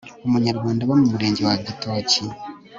umunyarwanda uba mu murenge wa gitoki